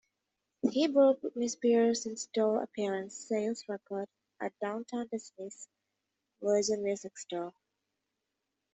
He broke Britney Spears' in-store-appearance sales record at Downtown Disney's Virgin music store.